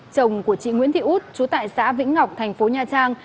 chồng của chị nguyễn thị út chú tại xã vĩnh ngọc thành phố nha trang